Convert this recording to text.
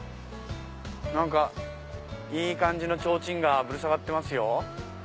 何かいい感じのちょうちんがぶら下がってますよ。